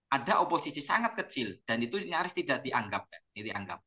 ada oposisi sangat kecil dan itu nyaris tidak dianggap